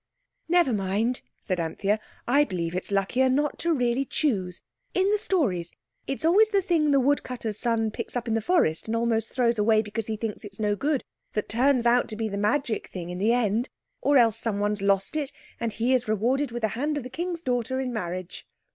"Never mind," said Anthea. "I believe it's luckier not to really choose. In the stories it's always the thing the wood cutter's son picks up in the forest, and almost throws away because he thinks it's no good, that turns out to be the magic thing in the end; or else someone's lost it, and he is rewarded with the hand of the King's daughter in marriage."